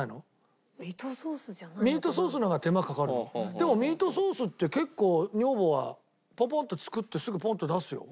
でもミートソースって結構女房はパパッて作ってすぐポンッて出すよ。